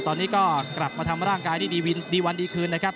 ตอนนี้ก็กลับมาทำร่างกายได้ดีวันดีคืนนะครับ